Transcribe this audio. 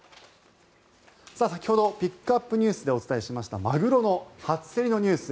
先ほど、ピックアップＮＥＷＳでお伝えしましたマグロの初競りのニュース